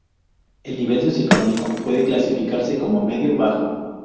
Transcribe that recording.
El nivel socioeconómico puede clasificarse como medio-bajo.